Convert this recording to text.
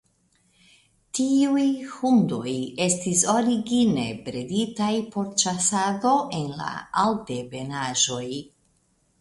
Tiuj hundoj estis origine breditaj por ĉasado en la Altebenaĵoj.